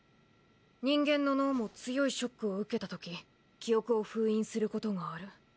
人間の脳も強いショックを受けたとき記憶を封印することがある。